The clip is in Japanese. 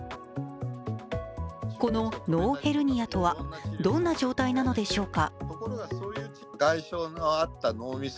この脳ヘルニアとはどんな状態なのでしょうか